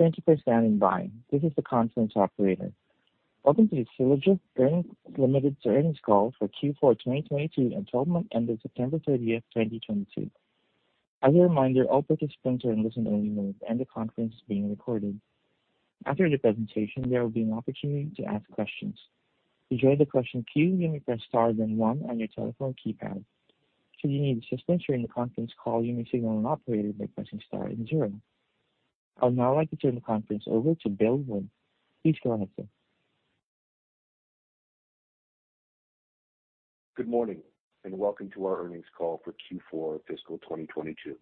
Thank you for standing by. This is the conference operator. Welcome to the Sylogist Ltd. Earnings Call for Q4 2022 and 12-month ended September 30, 2022. As a reminder, all participants are in listen-only mode and the conference is being recorded. After the presentation, there will be an opportunity to ask questions. To join the question queue, you may press Star then 1 on your telephone keypad. If you need assistance during the conference call, you may signal an operator by pressing Star and 0. I would now like to turn the conference over to Bill Wood. Please go ahead, sir. Good morning, and welcome to our earnings call for Q4 fiscal 2022.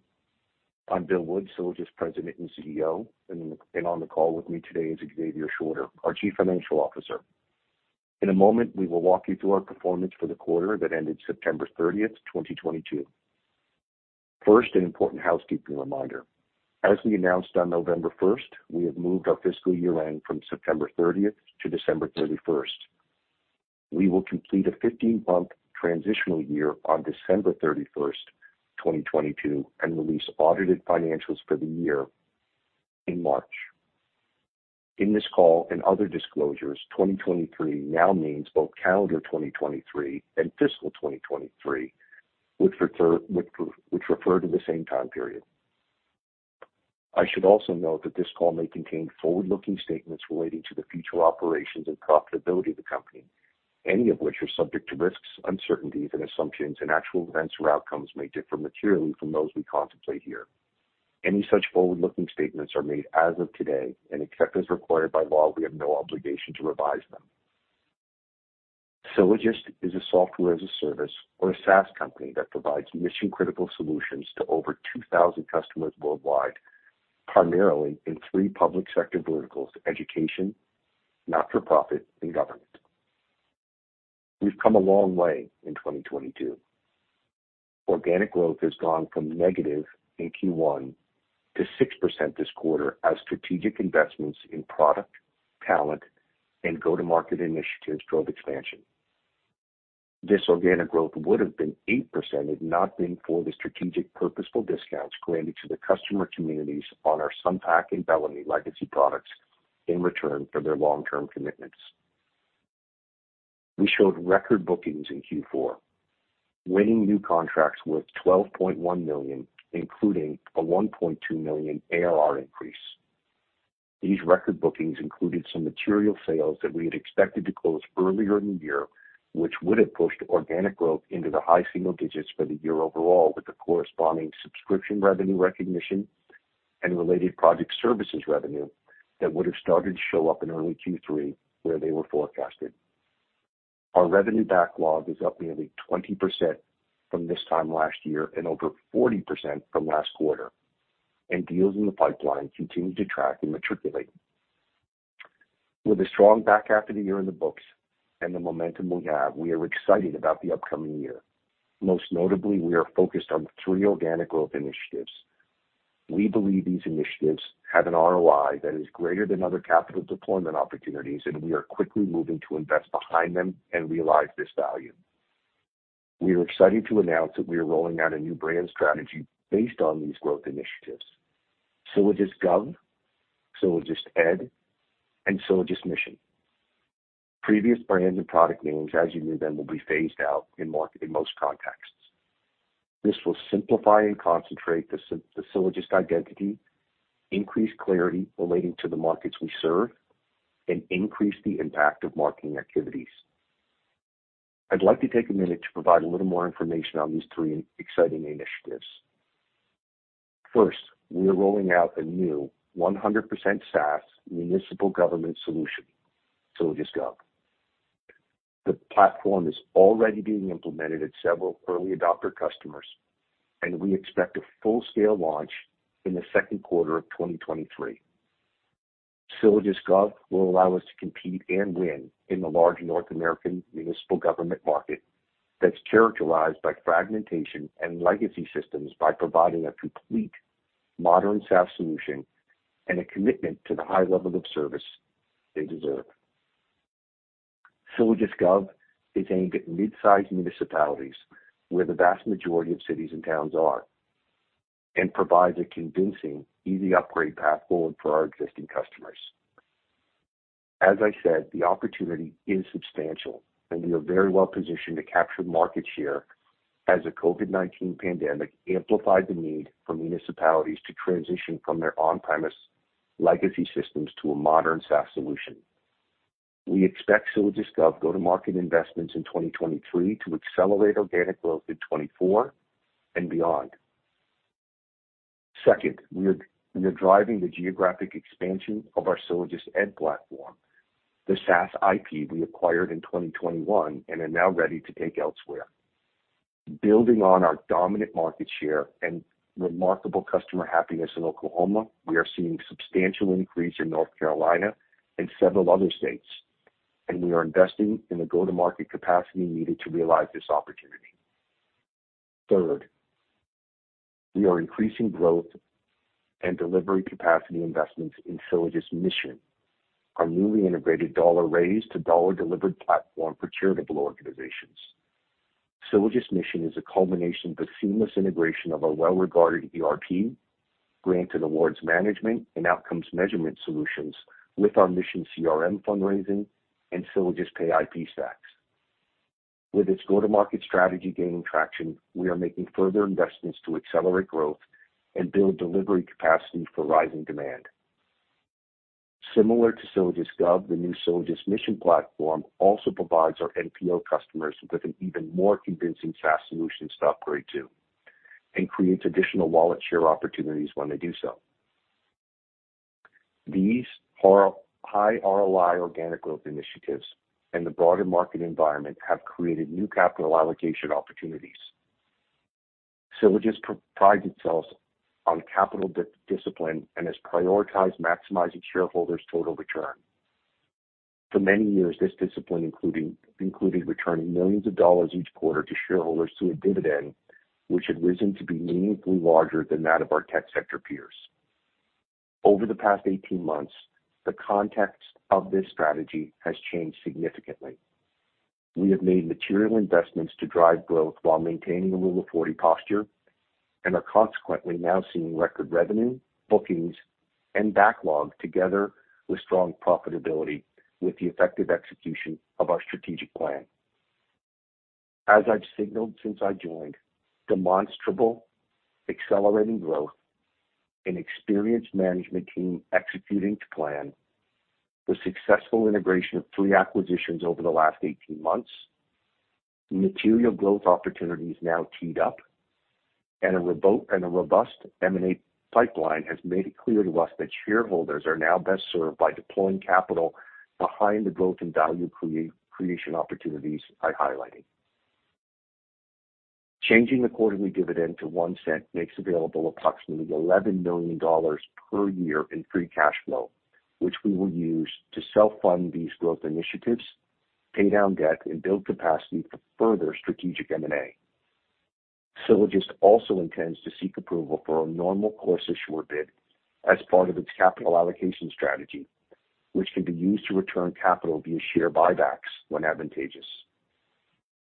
I'm Bill Wood, Sylogist President and CEO, and on the call with me today is Xavier Shorter, our Chief Financial Officer. In a moment, we will walk you through our performance for the quarter that ended September 30, 2022. First, an important housekeeping reminder. As we announced on November 1, we have moved our fiscal year-end from September 30 to December 31. We will complete a 15-month transitional year on December 31, 2022, and release audited financials for the year in March. In this call and other disclosures, 2023 now means both calendar 2023 and fiscal 2023, which refer to the same time period. I should also note that this call may contain forward-looking statements relating to the future operations and profitability of the company, any of which are subject to risks, uncertainties, and assumptions, and actual events or outcomes may differ materially from those we contemplate here. Any such forward-looking statements are made as of today and except as required by law, we have no obligation to revise them. Sylogist is a software as a service or a SaaS company that provides mission-critical solutions to over 2,000 customers worldwide, primarily in three public sector verticals education, not-for-profit, and government. We've come a long way in 2022. Organic growth has gone from negative in Q1 to 6% this quarter as strategic investments in product, talent, and go-to-market initiatives drove expansion. This organic growth would have been 8% had not been for the strategic purposeful discounts granted to the customer communities on our SunPac and Bellamy legacy products in return for their long-term commitments. We showed record bookings in Q4, winning new contracts worth 12.1 million, including a 1.2 million ARR increase. These record bookings included some material sales that we had expected to close earlier in the year, which would have pushed organic growth into the high single digits for the year overall, with the corresponding subscription revenue recognition and related project services revenue that would have started to show up in early Q3 where they were forecasted. Our revenue backlog is up nearly 20% from this time last year and over 40% from last quarter, and deals in the pipeline continue to track and mature. With a strong back half of the year in the books and the momentum we have, we are excited about the upcoming year. Most notably, we are focused on three organic growth initiatives. We believe these initiatives have an ROI that is greater than other capital deployment opportunities, and we are quickly moving to invest behind them and realize this value. We are excited to announce that we are rolling out a new brand strategy based on these growth initiatives. SylogistGov, SylogistEd, and SylogistMission. Previous brands and product names, as you know them, will be phased out in most contexts. This will simplify and concentrate the Sylogist identity, increase clarity relating to the markets we serve, and increase the impact of marketing activities. I'd like to take a minute to provide a little more information on these three exciting initiatives. First, we are rolling out a new 100% SaaS municipal government solution, SylogistGov. The platform is already being implemented at several early adopter customers, and we expect a full-scale launch in the second quarter of 2023. SylogistGov will allow us to compete and win in the large North American municipal government market that's characterized by fragmentation and legacy systems by providing a complete modern SaaS solution and a commitment to the high level of service they deserve. SylogistGov is aimed at mid-sized municipalities where the vast majority of cities and towns are, and provides a convincing, easy upgrade path forward for our existing customers. As I said, the opportunity is substantial and we are very well positioned to capture market share as the COVID-19 pandemic amplified the need for municipalities to transition from their on-premise legacy systems to a modern SaaS solution. We expect SylogistGov go-to-market investments in 2023 to accelerate organic growth in 2024 and beyond. Second, we are driving the geographic expansion of our SylogistEd platform, the SaaS IP we acquired in 2021 and are now ready to take elsewhere. Building on our dominant market share and remarkable customer happiness in Oklahoma, we are seeing substantial increase in North Carolina and several other states, and we are investing in the go-to-market capacity needed to realize this opportunity. Third, we are increasing growth and delivery capacity investments in SylogistMission, our newly integrated dollar raised to dollar delivered platform for charitable organizations. SylogistMission is a culmination of the seamless integration of our well-regarded ERP, grant and awards management, and outcomes measurement solutions with our MissionCRM fundraising and Sylogist Pay IP stacks. With its go-to-market strategy gaining traction, we are making further investments to accelerate growth and build delivery capacity for rising demand. Similar to SylogistGov, the new SylogistMission platform also provides our NPO customers with an even more convincing SaaS solution to upgrade to and creates additional wallet share opportunities when they do so. These high ROI organic growth initiatives and the broader market environment have created new capital allocation opportunities. Sylogist prides itself on capital discipline and has prioritized maximizing shareholders' total return. For many years, this discipline included returning millions dollars each quarter to shareholders through a dividend, which had risen to be meaningfully larger than that of our tech sector peers. Over the past 18 months, the context of this strategy has changed significantly. We have made material investments to drive growth while maintaining a Rule of 40 posture and are consequently now seeing record revenue, bookings, and backlog together with strong profitability with the effective execution of our strategic plan. I've signaled since I joined, demonstrable accelerating growth, an experienced management team executing to plan, the successful integration of three acquisitions over the last 18 months, material growth opportunities now teed up, and a robust M&A pipeline has made it clear to us that shareholders are now best served by deploying capital behind the growth and value creation opportunities I highlighted. Changing the quarterly dividend to 0.01 makes available approximately 11 million dollars per year in free cash flow, which we will use to self-fund these growth initiatives, pay down debt, and build capacity for further strategic M&A. Sylogist also intends to seek approval for a Normal Course Issuer Bid as part of its capital allocation strategy, which can be used to return capital via share buybacks when advantageous.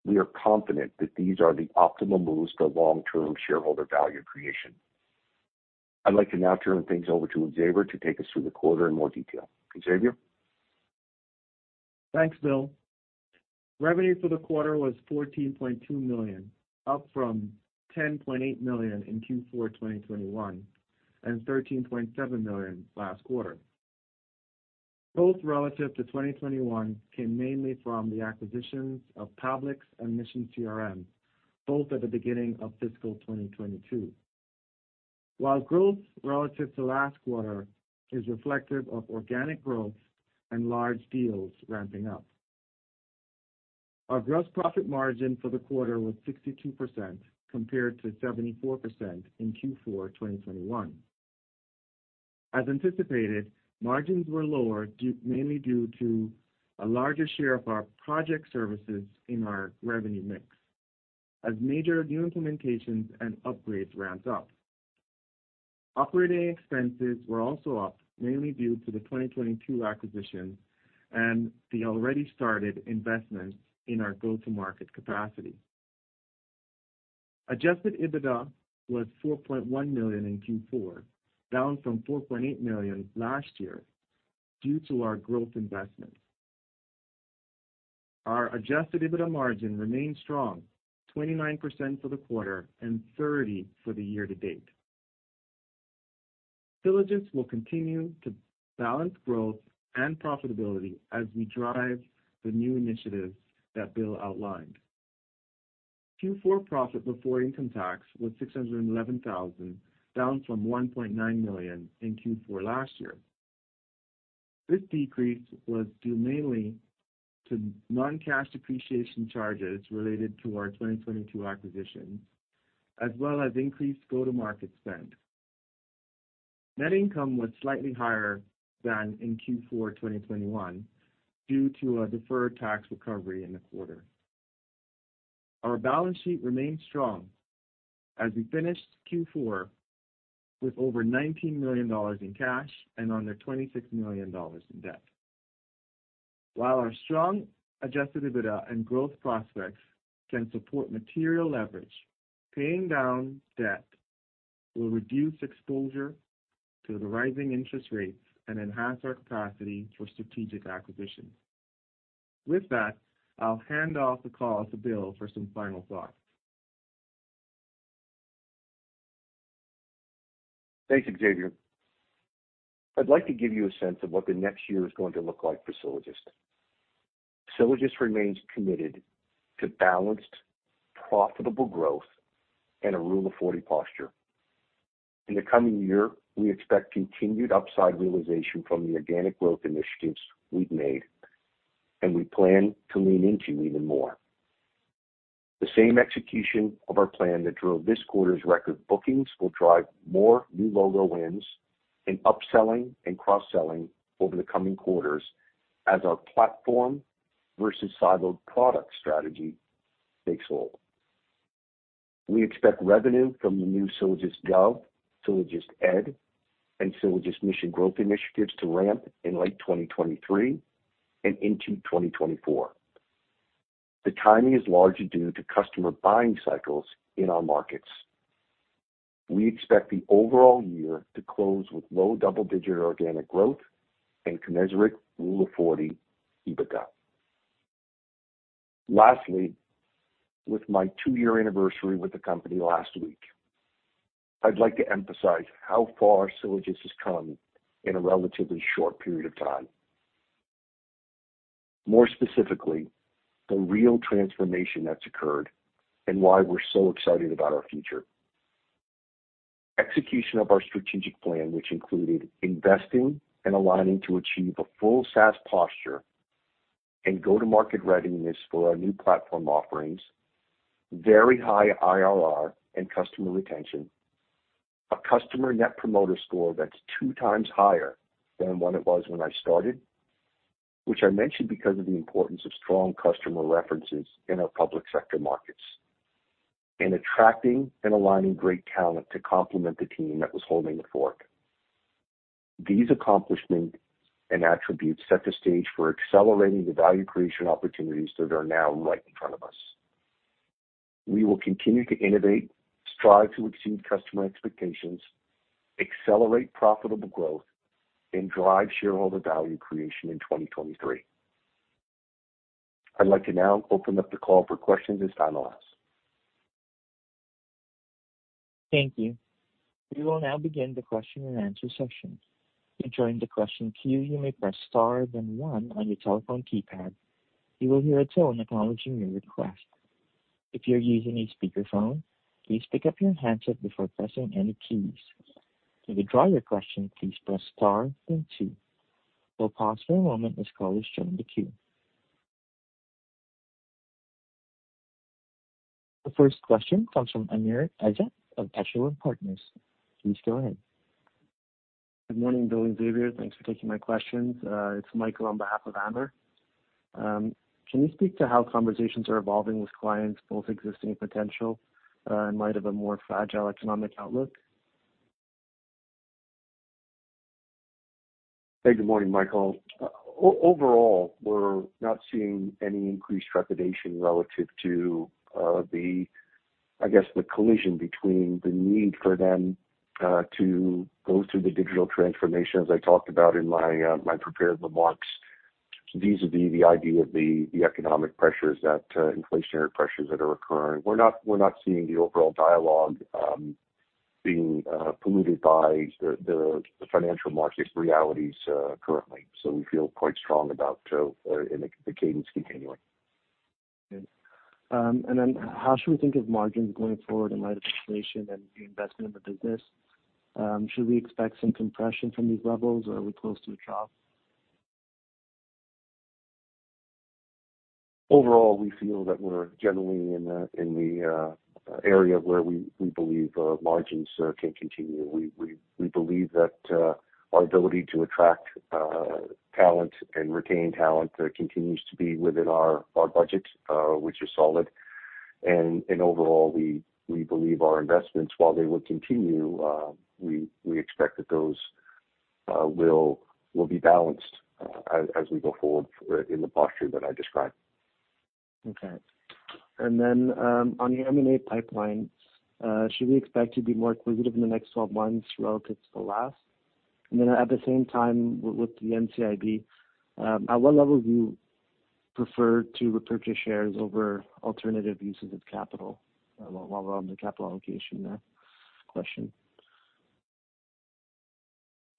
We are confident that these are the optimal moves for long-term shareholder value creation. I'd like to now turn things over to Xavier to take us through the quarter in more detail. Xavier? Thanks, Bill. Revenue for the quarter was 14.2 million, up from 10.8 million in Q4 2021, and 13.7 million last quarter. Both relative to 2021 came mainly from the acquisitions of Pavlik Group and MissionCRM, both at the beginning of fiscal 2022. While growth relative to last quarter is reflective of organic growth and large deals ramping up. Our gross profit margin for the quarter was 62%, compared to 74% in Q4 2021. As anticipated, margins were lower due, mainly due to a larger share of our project services in our revenue mix as major new implementations and upgrades ramped up. Operating expenses were also up, mainly due to the 2022 acquisitions and the already-started investments in our go-to-market capacity. Adjusted EBITDA was 4.1 million in Q4, down from 4.8 million last year due to our growth investments. Our adjusted EBITDA margin remained strong, 29% for the quarter and 30% for the year-to-date. Sylogist will continue to balance growth and profitability as we drive the new initiatives that Bill outlined. Q4 profit before income tax was 611,000, down from 1.9 million in Q4 last year. This decrease was due mainly to non-cash depreciation charges related to our 2022 acquisitions, as well as increased go-to-market spend. Net income was slightly higher than in Q4 2021 due to a deferred tax recovery in the quarter. Our balance sheet remained strong as we finished Q4 with over 19 million dollars in cash and under 26 million dollars in debt. While our strong adjusted EBITDA and growth prospects can support material leverage, paying down debt will reduce exposure to the rising interest rates and enhance our capacity for strategic acquisitions. With that, I'll hand off the call to Bill for some final thoughts. Thanks, Xavier. I'd like to give you a sense of what the next year is going to look like for Sylogist. Sylogist remains committed to balanced, profitable growth and a Rule of 40 posture. In the coming year, we expect continued upside realization from the organic growth initiatives we've made, and we plan to lean into even more. The same execution of our plan that drove this quarter's record bookings will drive more new logo wins and upselling and cross-selling over the coming quarters as our platform versus siloed product strategy takes hold. We expect revenue from the new SylogistGov, SylogistEd, and SylogistMission growth initiatives to ramp in late 2023 and into 2024. The timing is largely due to customer buying cycles in our markets. We expect the overall year to close with low double-digit organic growth and commensurate Rule of 40 EBITDA. Lastly, with my two-year anniversary with the company last week, I'd like to emphasize how far Sylogist has come in a relatively short period of time. More specifically, the real transformation that's occurred and why we're so excited about our future. Execution of our strategic plan, which included investing and aligning to achieve a full SaaS posture and go-to-market readiness for our new platform offerings, very high IRR and customer retention, a customer net promoter score that's two times higher than what it was when I started, which I mention because of the importance of strong customer references in our public sector markets, and attracting and aligning great talent to complement the team that was holding the fort. These accomplishments and attributes set the stage for accelerating the value creation opportunities that are now right in front of us. We will continue to innovate, strive to exceed customer expectations, accelerate profitable growth, and drive shareholder value creation in 2023. I'd like to now open up the call for questions as time allows. Thank you. We will now begin the question-and-answer session. To join the question queue, you may press star then one on your telephone keypad. You will hear a tone acknowledging your request. If you're using a speakerphone, please pick up your handset before pressing any keys. To withdraw your question, please press star then two. We'll pause for a moment as callers join the queue. The first question comes from Amr Ezzat of Echelon Wealth Partners. Please go ahead. Good morning, Bill and Xavier. Thanks for taking my questions. It's Michael on behalf of Amr. Can you speak to how conversations are evolving with clients, both existing and potential, in light of a more fragile economic outlook? Hey, good morning, Michael. Overall, we're not seeing any increased trepidation relative to, I guess, the collision between the need for them to go through the digital transformation, as I talked about in my prepared remarks, vis-a-vis the idea of the economic pressures, inflationary pressures that are occurring. We're not seeing the overall dialogue being polluted by the financial market realities currently. We feel quite strong about the cadence continuing. How should we think of margins going forward in light of inflation and the investment in the business? Should we expect some compression from these levels, or are we close to the trough? Overall, we feel that we're generally in the area where we believe margins can continue. We believe that our ability to attract talent and retain talent continues to be within our budget, which is solid. Overall, we believe our investments, while they will continue, we expect that those will be balanced as we go forward in the posture that I described. Okay. On your M&A pipeline, should we expect you to be more acquisitive in the next 12 months relative to the last? At the same time, with the NCIB, at what level do you prefer to repurchase shares over alternative uses of capital, while we're on the capital allocation question?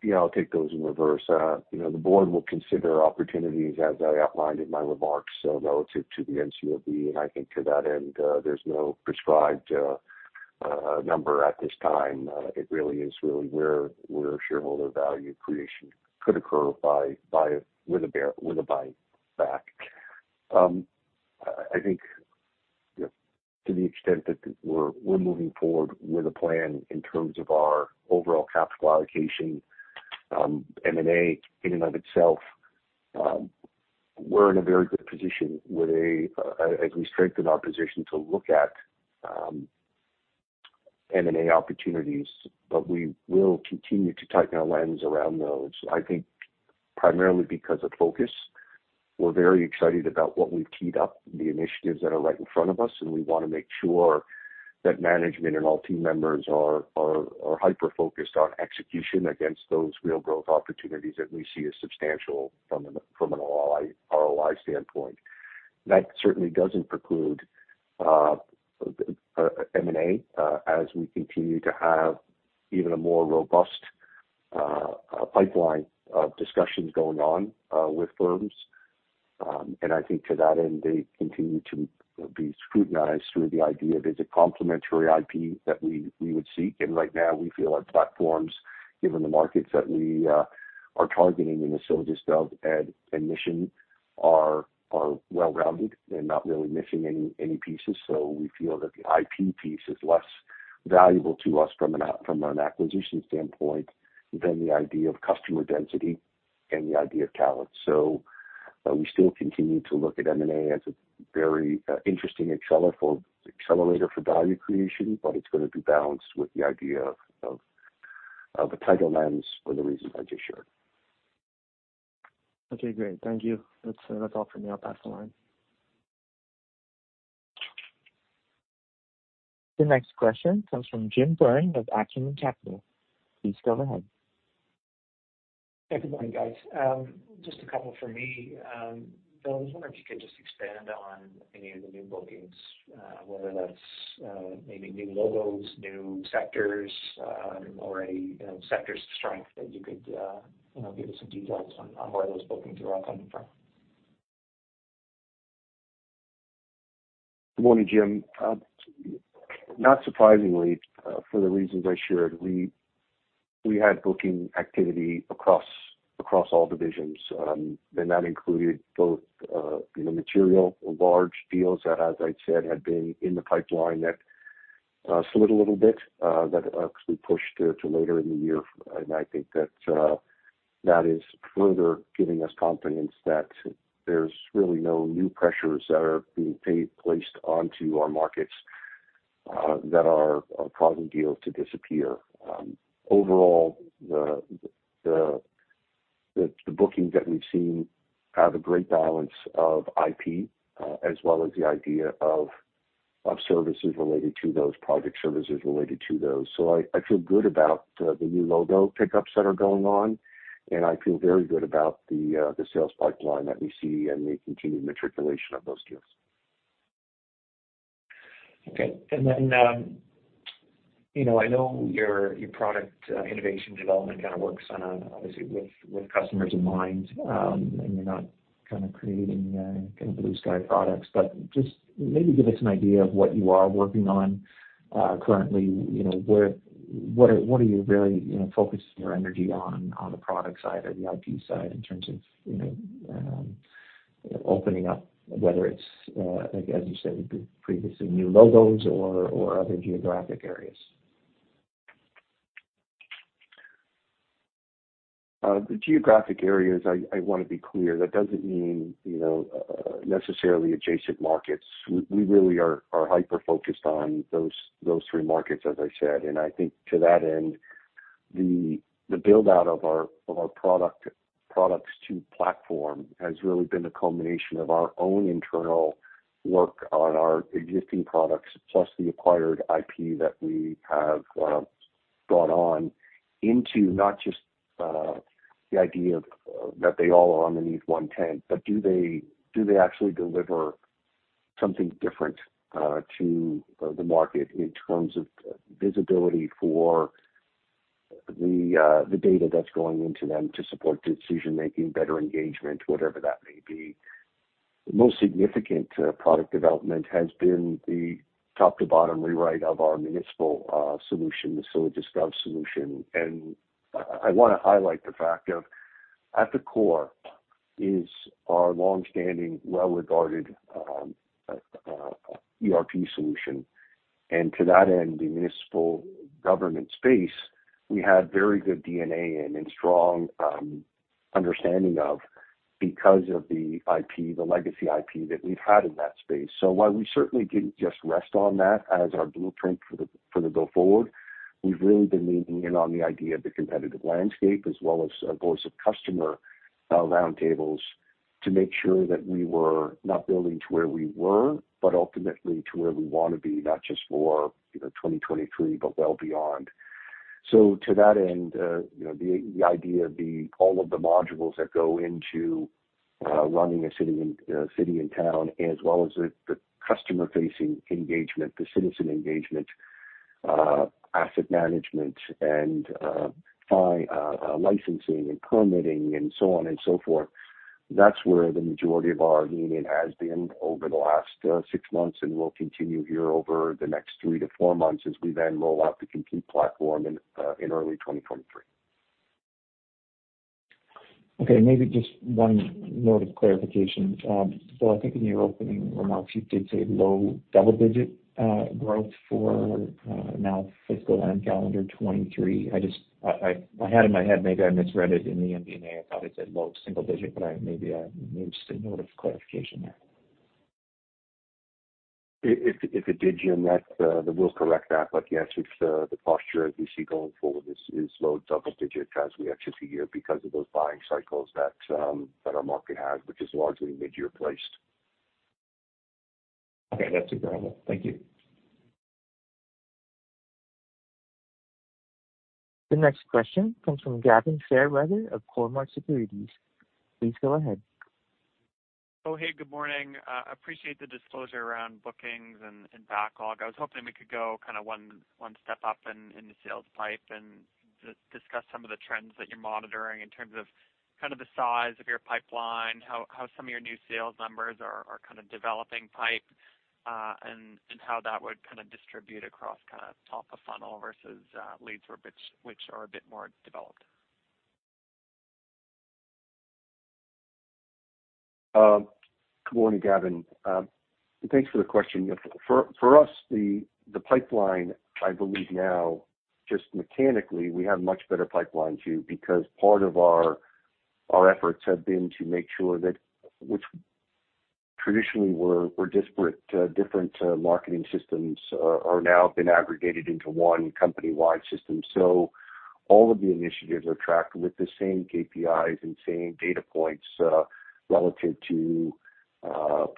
Yeah, I'll take those in reverse. You know, the board will consider opportunities as I outlined in my remarks, so relative to the NCIB. I think to that end, there's no prescribed number at this time. It really is where shareholder value creation could occur by a buyback. I think, you know, to the extent that we're moving forward with a plan in terms of our overall capital allocation, M&A in and of itself, we're in a very good position as we strengthen our position to look at M&A opportunities. But we will continue to tighten our lens around those. I think primarily because of focus, we're very excited about what we've teed up, the initiatives that are right in front of us, and we wanna make sure that management and all team members are hyper-focused on execution against those real growth opportunities that we see as substantial from an ROI standpoint. That certainly doesn't preclude M&A as we continue to have even a more robust pipeline of discussions going on with firms. I think to that end, they continue to be scrutinized through the idea of, is it complementary IP that we would seek? Right now we feel our platforms, given the markets that we are targeting in the Sylogist Gov, Ed, and Mission are well-rounded. They're not really missing any pieces. We feel that the IP piece is less valuable to us from an acquisition standpoint than the idea of customer density and the idea of talent. We still continue to look at M&A as a very interesting accelerator for value creation, but it's gonna be balanced with the idea of the tight lens for the reasons I just shared. Okay, great. Thank you. That's all for me. I'll pass the line. The next question comes from Jim Byrne of Acumen Capital. Please go ahead. Yeah. Good morning, guys. Just a couple for me. I was wondering if you could just expand on any of the new bookings, whether that's maybe new logos, new sectors, or any, you know, sectors of strength that you could, you know, give us some details on where those bookings are all coming from. Good morning, Jim. Not surprisingly, for the reasons I shared, we had booking activity across all divisions. That included both, you know, material or large deals that, as I'd said, had been in the pipeline that slid a little bit, that actually pushed to later in the year. I think that is further giving us confidence that there's really no new pressures that are being placed onto our markets, that are causing deals to disappear. Overall, the bookings that we've seen have a great balance of IP, as well as project services related to those. I feel good about the new logo pickups that are going on, and I feel very good about the sales pipeline that we see and the continued materialization of those deals. Okay. I know your product innovation development kind of works on, obviously, with customers in mind, and you're not kind of creating kind of blue sky products. But just maybe give us an idea of what you are working on currently. You know, what are you really focusing your energy on the product side or the IP side in terms of opening up, whether it's, as you said previously, new logos or other geographic areas? The geographic areas, I wanna be clear. That doesn't mean, you know, necessarily adjacent markets. We really are hyper-focused on those three markets, as I said. I think to that end, the build-out of our products to platform has really been a culmination of our own internal work on our existing products, plus the acquired IP that we have brought on into not just the idea that they all are underneath one tent. But do they actually deliver something different to the market in terms of visibility for the data that's going into them to support decision-making, better engagement, whatever that may be? The most significant product development has been the top to bottom rewrite of our municipal solution, the SylogistGov solution. I wanna highlight the fact of, at the core is our long-standing, well-regarded, ERP solution. To that end, the municipal government space, we had very good DNA and strong understanding of because of the IP, the legacy IP that we've had in that space. While we certainly didn't just rest on that as our blueprint for the go forward, we've really been leaning in on the idea of the competitive landscape as well as voice of customer roundtables to make sure that we were not building to where we were, but ultimately to where we wanna be, not just for, you know, 2023, but well beyond. To that end, you know, the idea of all of the modules that go into running a city and town, as well as the customer-facing engagement, the citizen engagement, asset management and licensing and permitting and so on and so forth, that's where the majority of our leaning has been over the last 6 months and will continue here over the next 3-4 months as we then roll out the complete platform in early 2023. Okay. Maybe just one note of clarification. I think in your opening remarks, you did say low double-digit growth for now fiscal and calendar 2023. I just had in my head, maybe I misread it in the MD&A. I thought it said low single-digit, but I maybe just a note of clarification there. If it did, Jim, that's then we'll correct that. But yes, it's the posture as we see going forward is low double digit as we enter the year because of those buying cycles that our market has, which is largely mid-year placed. Okay. That's it for now. Thank you. The next question comes from Gavin Fairweather of Cormark Securities. Please go ahead. Good morning. Appreciate the disclosure around bookings and backlog. I was hoping we could go kind of one step up in the sales pipeline and just discuss some of the trends that you're monitoring in terms of kind of the size of your pipeline, how some of your new sales numbers are kind of developing pipeline, and how that would kind of distribute across kind of top of funnel versus leads which are a bit more developed. Good morning, Gavin. Thanks for the question. For us, the pipeline, I believe now, just mechanically, we have much better pipeline too, because part of our efforts have been to make sure that which traditionally were disparate different marketing systems are now been aggregated into one company-wide system. All of the initiatives are tracked with the same KPIs and same data points, relative to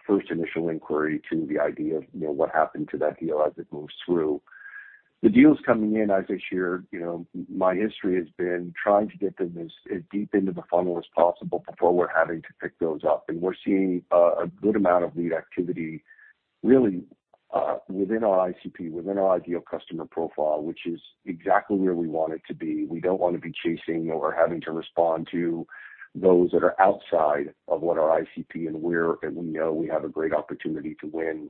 first initial inquiry to the idea of, you know, what happened to that deal as it moves through. The deals coming in, as I shared, you know, my history has been trying to get them as deep into the funnel as possible before we're having to pick those up. We're seeing a good amount of lead activity really within our ICP, within our ideal customer profile, which is exactly where we want it to be. We don't want to be chasing or having to respond to those that are outside of what our ICP and where we know we have a great opportunity to win.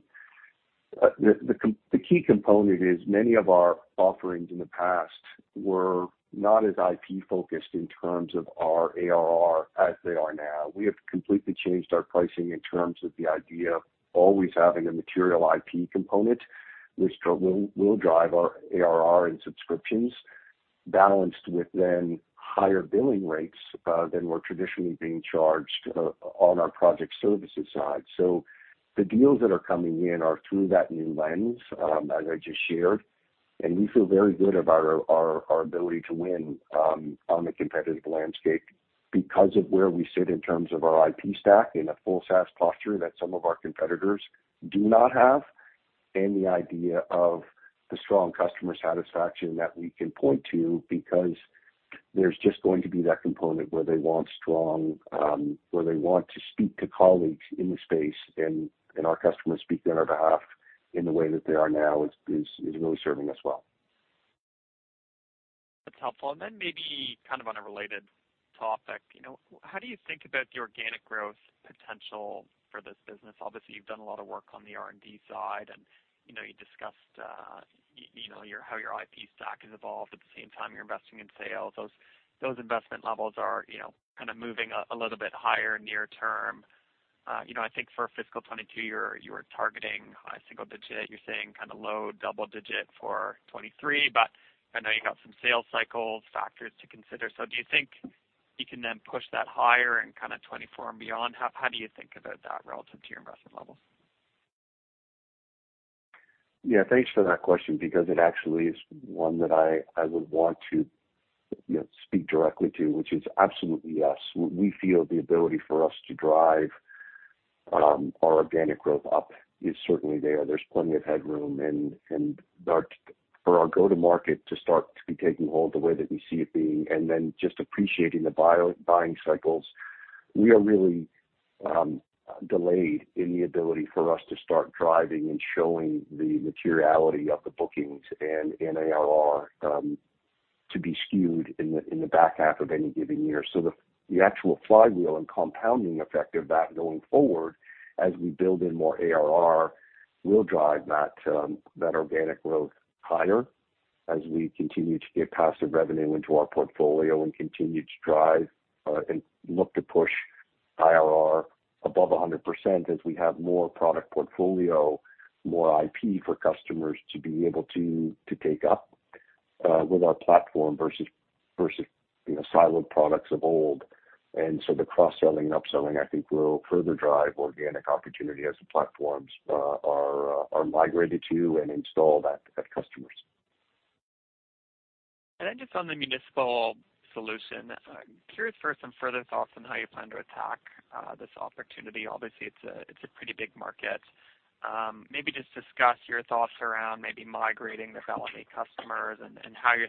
The key component is many of our offerings in the past were not as IP-focused in terms of our ARR as they are now. We have completely changed our pricing in terms of the idea of always having a material IP component, which will drive our ARR and subscriptions balanced with then higher billing rates than we're traditionally being charged on our project services side. The deals that are coming in are through that new lens, as I just shared, and we feel very good about our ability to win on the competitive landscape because of where we sit in terms of our IP stack in a full SaaS posture that some of our competitors do not have, and the idea of the strong customer satisfaction that we can point to because there's just going to be that component where they want to speak to colleagues in the space, and our customers speak on our behalf in the way that they are now is really serving us well. That's helpful. Maybe kind of on a related topic, you know, how do you think about the organic growth potential for this business? Obviously, you've done a lot of work on the R&D side, and, you know, you discussed, you know, how your IP stack has evolved. At the same time, you're investing in sales. Those investment levels are, you know, kind of moving up a little bit higher near-term. You know, I think for fiscal 2022, you were targeting single-digit%. You're saying kind of low double-digit% for 2023. But I know you got some sales cycle factors to consider. Do you think you can then push that higher in kind of 2024 and beyond? How do you think about that relative to your investment levels? Yeah, thanks for that question because it actually is one that I would want to, you know, speak directly to, which is absolutely yes. We feel the ability for us to drive our organic growth up is certainly there. There's plenty of headroom and our go-to-market to start to be taking hold the way that we see it being, and then just appreciating the buying cycles. We are really delayed in the ability for us to start driving and showing the materiality of the bookings and in ARR to be skewed in the back half of any given year. The actual flywheel and compounding effect of that going forward as we build in more ARR will drive that organic growth higher as we continue to get passive revenue into our portfolio and continue to drive and look to push ARR above 100% as we have more product portfolio, more IP for customers to be able to take up with our platform versus you know siloed products of old. The cross-selling and upselling, I think, will further drive organic opportunity as the platforms are migrated to and installed at customers. Just on the municipal solution, I'm curious for some further thoughts on how you plan to attack this opportunity. Obviously, it's a pretty big market. Maybe just discuss your thoughts around maybe migrating the Bellamy customers and how you're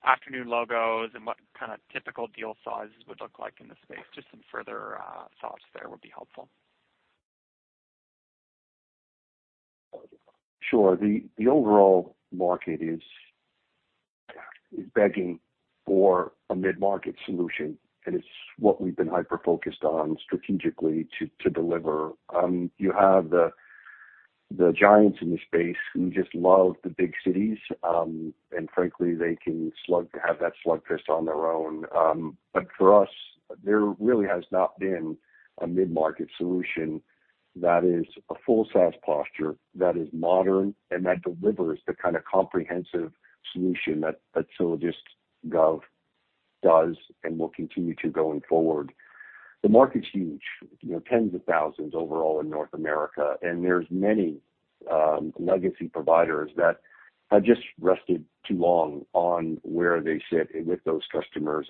thinking about really going after new logos and what kind of typical deal sizes would look like in the space. Just some further thoughts there would be helpful. Sure. The overall market is begging for a mid-market solution, and it's what we've been hyper-focused on strategically to deliver. You have the giants in the space who just love the big cities, and frankly, they can have that slugfest on their own. For us, there really has not been a mid-market solution that is a full SaaS posture, that is modern, and that delivers the kind of comprehensive solution that SylogistGov does and will continue to going forward. The market's huge, you know, tens of thousands overall in North America, and there's many legacy providers that have just rested too long on where they sit with those customers.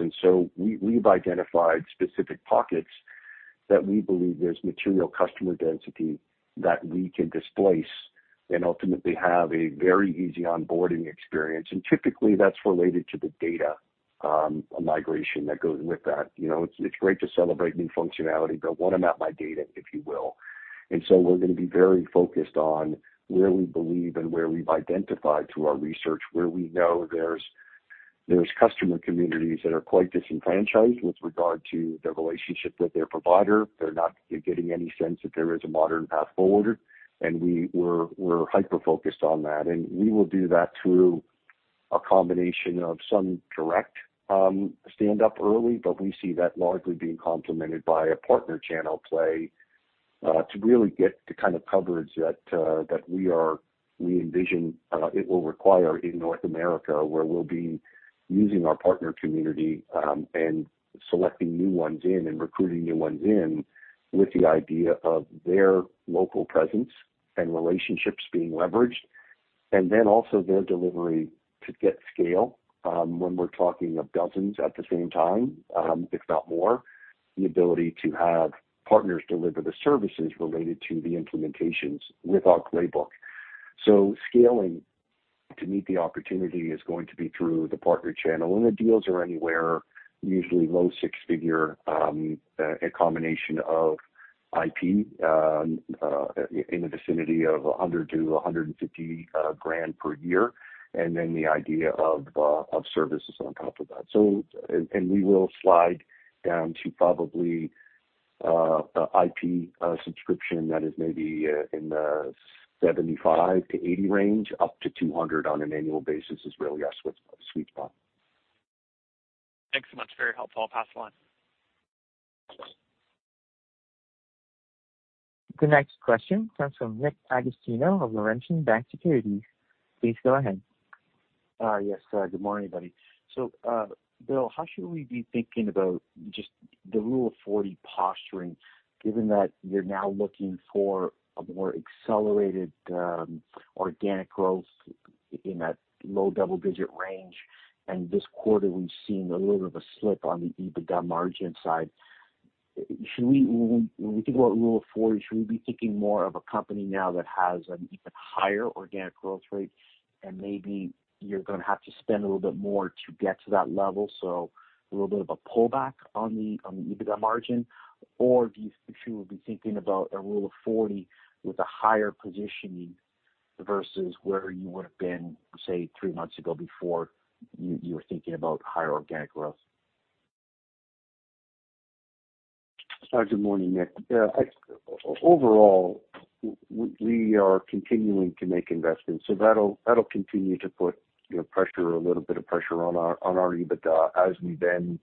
We've identified specific pockets that we believe there's material customer density that we can displace and ultimately have a very easy onboarding experience. Typically, that's related to the data, migration that goes with that. You know, it's great to celebrate new functionality, but what about my data, if you will. We're gonna be very focused on where we believe and where we've identified through our research, where we know there's customer communities that are quite disenfranchised with regard to their relationship with their provider. They're not getting any sense that there is a modern path forward, and we're hyper-focused on that. We will do that through a combination of some direct stand up early, but we see that largely being complemented by a partner channel play, to really get the kind of coverage that we envision it will require in North America, where we'll be using our partner community, and selecting new ones in and recruiting new ones in with the idea of their local presence and relationships being leveraged. Also their delivery to get scale, when we're talking of dozens at the same time, if not more, the ability to have partners deliver the services related to the implementations with our playbook. Scaling to meet the opportunity is going to be through the partner channel. The deals are anywhere, usually low six figures, a combination of IP in the vicinity of 100,000-150,000 per year. Then the idea of services on top of that. We will slide down to probably IP subscription that is maybe in the 75,000-80,000 range, up to 200,000 on an annual basis is really our sweet spot. Thanks so much. Very helpful. I'll pass the line. The next question comes from Nick Agostino of Laurentian Bank Securities. Please go ahead. Yes. Good morning, everybody. Bill, how should we be thinking about just the Rule of 40 posturing, given that you're now looking for a more accelerated organic growth in that low double-digit range, and this quarter we've seen a little bit of a slip on the EBITDA margin side. When we think about Rule of 40, should we be thinking more of a company now that has an even higher organic growth rate, and maybe you're gonna have to spend a little bit more to get to that level, so a little bit of a pullback on the EBITDA margin? Or do you think we should be thinking about a Rule of 40 with a higher positioning versus where you would have been, say, three months ago before you were thinking about higher organic growth? Good morning, Nick. Overall, we are continuing to make investments, so that'll continue to put, you know, pressure or a little bit of pressure on our EBITDA as we then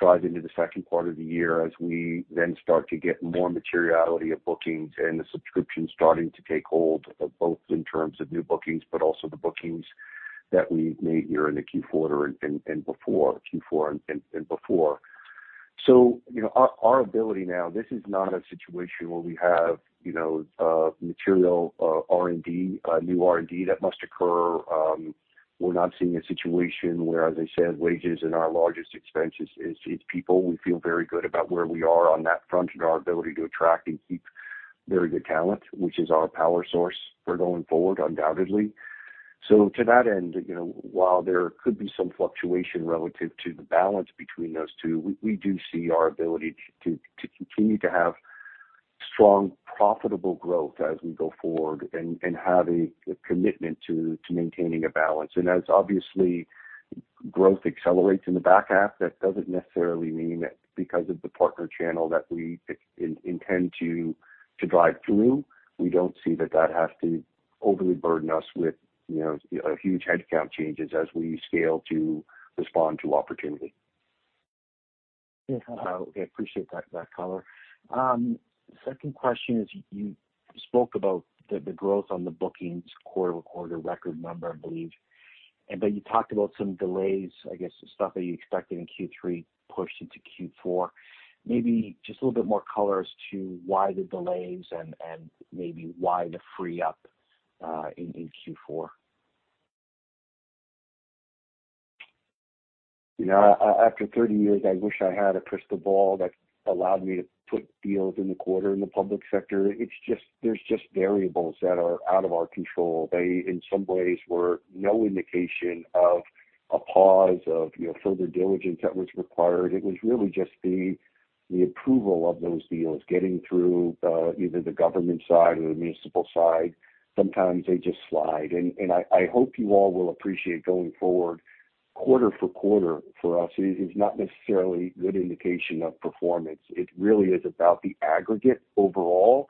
drive into the second quarter of the year, as we then start to get more materiality of bookings and the subscription starting to take hold, both in terms of new bookings, but also the bookings that we made here in the Q4 and before. So, you know, our ability now, this is not a situation where we have, you know, material new R&D that must occur. We're not seeing a situation where, as I said, wages and our largest expenses is people. We feel very good about where we are on that front and our ability to attract and keep very good talent, which is our power source for going forward, undoubtedly. To that end, you know, while there could be some fluctuation relative to the balance between those two, we do see our ability to continue to have strong profitable growth as we go forward and have a commitment to maintaining a balance. As obviously growth accelerates in the back half, that doesn't necessarily mean that because of the partner channel that we intend to drive through, we don't see that has to overly burden us with, you know, a huge headcount changes as we scale to respond to opportunity. Yeah. Okay. Appreciate that color. Second question is, you spoke about the growth on the bookings quarter-over-quarter record number, I believe. You talked about some delays, I guess, stuff that you expected in Q3 pushed into Q4. Maybe just a little bit more color as to why the delays and maybe why the free up in Q4. You know, after 30 years, I wish I had a crystal ball that allowed me to put deals in the quarter in the public sector. It's just, there's just variables that are out of our control. They in some ways were no indication of a pause of, you know, further diligence that was required. It was really just the approval of those deals getting through, either the government side or the municipal side. Sometimes they just slide. I hope you all will appreciate going forward, quarter for quarter for us is not necessarily good indication of performance. It really is about the aggregate overall.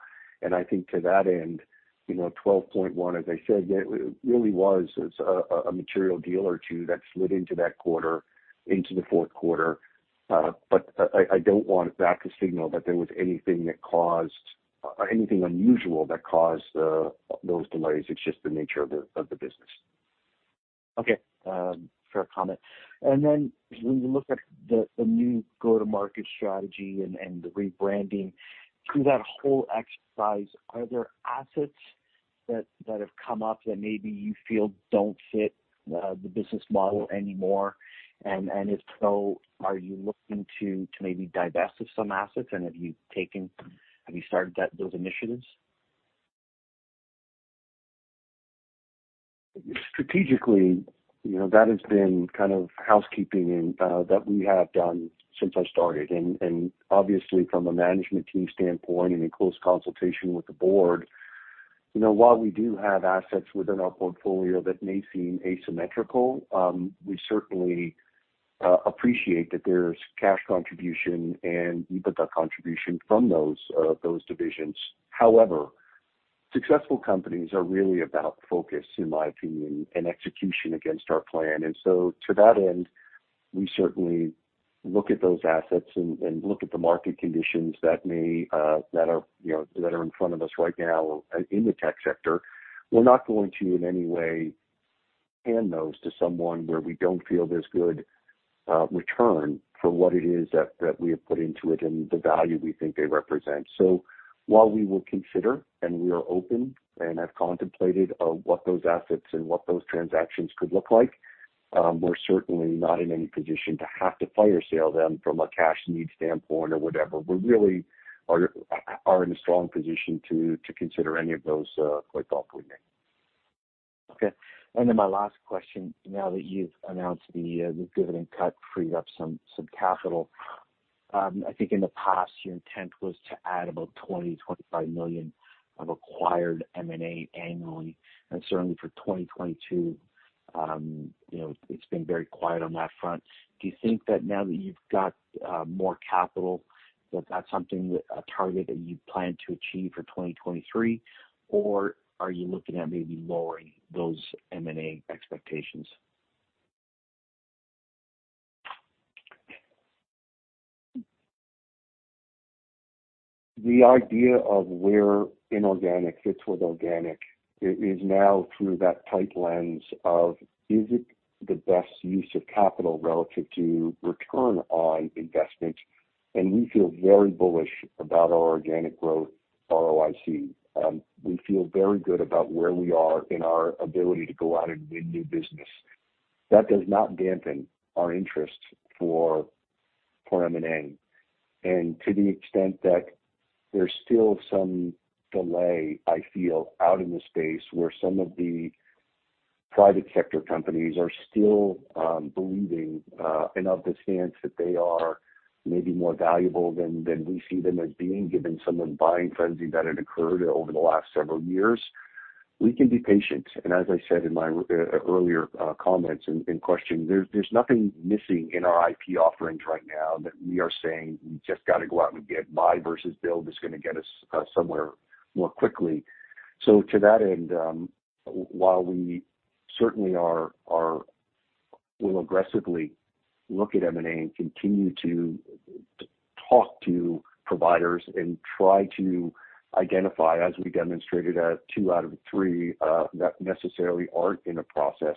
I think to that end, you know, 12.1, as I said, it really was, it's a material deal or two that slid into that quarter, into the fourth quarter. I don't want that to signal that there was anything unusual that caused those delays. It's just the nature of the business. Okay. Fair comment. When we look at the new go-to-market strategy and the rebranding, through that whole exercise, are there assets that have come up that maybe you feel don't fit the business model anymore? If so, are you looking to maybe divest of some assets? Have you started those initiatives? Strategically, you know, that has been kind of housekeeping and that we have done since I started. Obviously from a management team standpoint and in close consultation with the board, you know, while we do have assets within our portfolio that may seem asymmetrical, we certainly appreciate that there's cash contribution and EBITDA contribution from those divisions. However, successful companies are really about focus, in my opinion, and execution against our plan. To that end, we certainly look at those assets and look at the market conditions that are, you know, in front of us right now in the tech sector. We're not going to, in any way, hand those to someone where we don't feel there's good return for what it is that we have put into it and the value we think they represent. While we will consider, and we are open and have contemplated, what those assets and what those transactions could look like, we're certainly not in any position to have to fire sale them from a cash need standpoint or whatever. We really are in a strong position to consider any of those quite thoughtfully. Okay. My last question. Now that you've announced the dividend cut freed up some capital, I think in the past, your intent was to add about 20-25 million of acquired M&A annually, and certainly for 2022, you know, it's been very quiet on that front. Do you think that now that you've got more capital, that that's something that a target that you plan to achieve for 2023? Or are you looking at maybe lowering those M&A expectations? The idea of where inorganic fits with organic is now through that tight lens of, is it the best use of capital relative to return on investment? We feel very bullish about our organic growth ROIC. We feel very good about where we are in our ability to go out and win new business. That does not dampen our interest for M&A. To the extent that there's still some delay, I feel, out in the space where some of the private sector companies are still, believing, and of the stance that they are maybe more valuable than we see them as being, given some of the buying frenzy that had occurred over the last several years. We can be patient. As I said in my earlier comments and question, there's nothing missing in our IP offerings right now that we are saying we just gotta go out and get buy versus build is gonna get us somewhere more quickly. To that end, while we certainly will aggressively look at M&A and continue to talk to providers and try to identify as we demonstrated at two out of three that necessarily aren't in a process.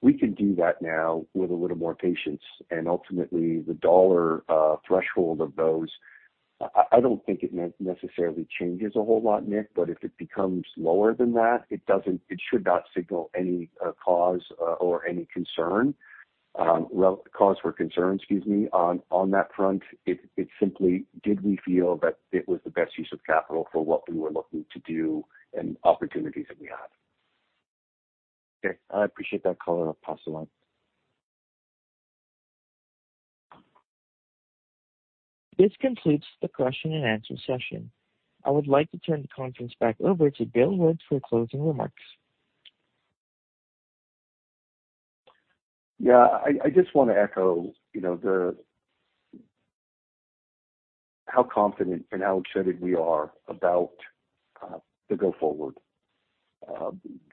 We can do that now with a little more patience and ultimately the dollar threshold of those. I don't think it necessarily changes a whole lot, Nick, but if it becomes lower than that, it should not signal any cause for concern, excuse me, on that front. It simply did. We feel that it was the best use of capital for what we were looking to do and opportunities that we have. Okay. I appreciate that color. I'll pass along. This concludes the question and answer session. I would like to turn the conference back over to Bill Wood for closing remarks. Yeah. I just wanna echo, you know, how confident and how excited we are about the go forward.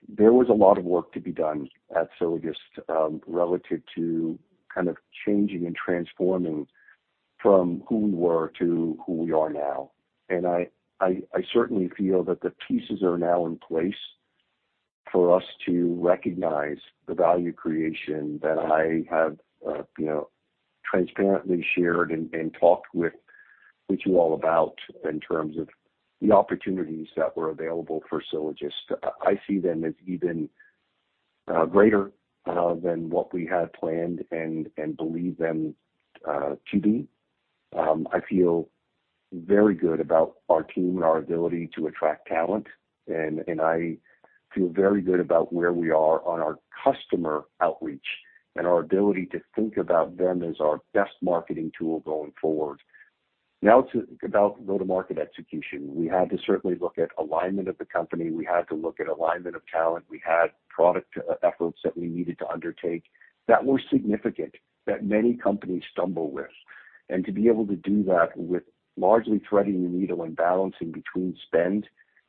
There was a lot of work to be done at Sylogist, relative to kind of changing and transforming from who we were to who we are now. I certainly feel that the pieces are now in place for us to recognize the value creation that I have, you know, transparently shared and talked with you all about in terms of the opportunities that were available for Sylogist. I see them as even greater than what we had planned and believe them to be. I feel very good about our team and our ability to attract talent. I feel very good about where we are on our customer outreach and our ability to think about them as our best marketing tool going forward. Now, about go-to-market execution, we had to certainly look at alignment of the company. We had to look at alignment of talent. We had product efforts that we needed to undertake that were significant, that many companies stumble with. To be able to do that with largely threading the needle and balancing between spend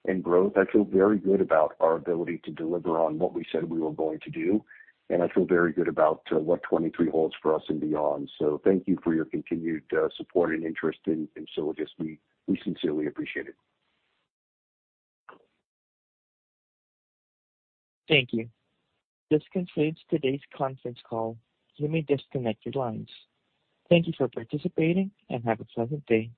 and growth, I feel very good about our ability to deliver on what we said we were going to do, and I feel very good about what 2023 holds for us and beyond. Thank you for your continued support and interest in Sylogist. We sincerely appreciate it. Thank you. This concludes today's conference call. You may disconnect your lines. Thank you for participating and have a pleasant day.